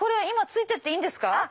今ついてっていいんですか？